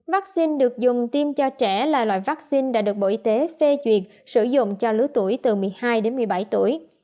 vaccine được dùng tiêm cho trẻ là loại vaccine đã được bộ y tế phê duyệt sử dụng cho lứa tuổi từ một mươi hai đến một mươi bảy tuổi